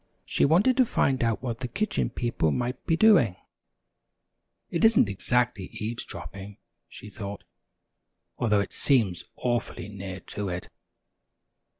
She wanted to find out what the Kitchen People might be doing. "It isn't exactly eavesdropping," she thought, "although it seems awfully near to it."